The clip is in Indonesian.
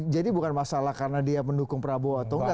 jadi bukan masalah karena dia mendukung prabowo atau nggak